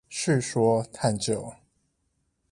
敘說探究